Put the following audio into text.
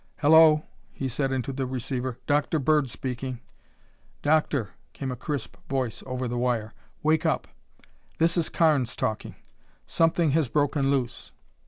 "Hello," he said into the receiver. "Dr. Bird speaking." "Doctor," came a crisp voice over the wire, "wake up! This is Carnes talking. Something has broken loose!"